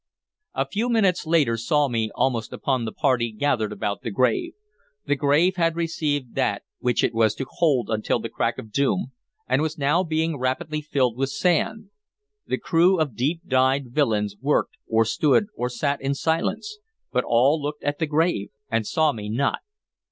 A few minutes later saw me almost upon the party gathered about the grave. The grave had received that which it was to hold until the crack of doom, and was now being rapidly filled with sand. The crew of deep dyed villains worked or stood or sat in silence, but all looked at the grave, and saw me not.